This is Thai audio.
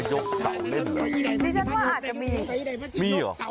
ที่จะมาเจ้าฟั่นเล่นยกเสาอ้อมโรงเรียน